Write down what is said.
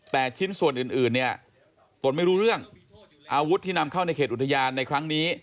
แต่ชิ้นส่วนอื่นเนี่ยตนไม่รู้เรื่องอาวุธที่นำเข้าในเขตอุทยานในครั้งนี้